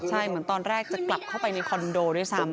ใช่เหมือนตอนแรกจะกลับเข้าไปในคอนโดด้วยซ้ำ